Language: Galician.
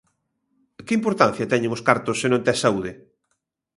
Que importancia teñen os cartos se non tes saúde?